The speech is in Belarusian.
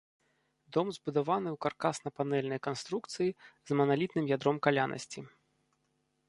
Дом збудаваны ў каркасна-панэльнай канструкцыі з маналітным ядром калянасці.